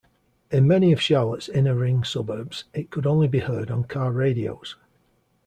In many of Charlotte's inner-ring suburbs, it could only be heard on car radios.